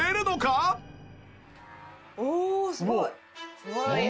おおすごい！